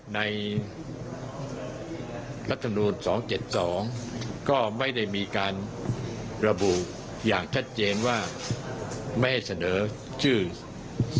ในรัฐนูนสองเจ็ดสองก็ไม่ได้มีการระบุอย่างชัดเจนว่าไม่ให้เสนอชื่อซึ่ง